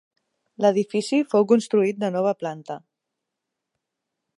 L'edifici fou construït de nova planta.